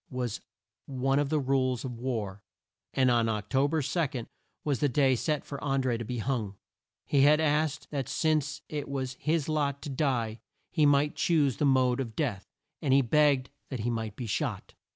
was one of the rules of war, and Oc to ber 2 was the day set for An dré to be hung. He had asked that since it was his lot to die he might choose the mode of death; and begged that he might be shot.